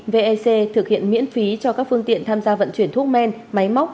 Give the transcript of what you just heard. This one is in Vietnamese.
vec thực hiện miễn phí cho các phương tiện tham gia vận chuyển thuốc men máy móc